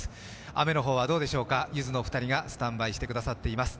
雨の方はどうでしょうか、ゆずのお二人がスタンバイしてくださっています。